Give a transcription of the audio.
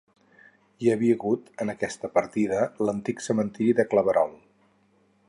Hi havia hagut en aquesta partida l'antic cementiri de Claverol.